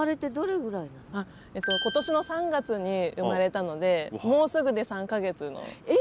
今年の３月に生まれたのでもうすぐで３か月の。え！